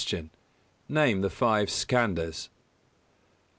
_Name the five Skandhas?